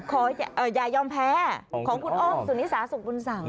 อย่ายอมแพ้ของคุณอ้อมสุนิสาสุขบุญสัง